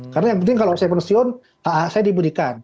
karena yang penting kalau saya pensiun hak hak saya diberikan